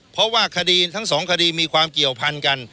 เพราะว่าคดีทั้งสองคดีมีความเกี่ยวพันกัน